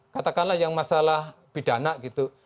katakanlah yang masalah pidana gitu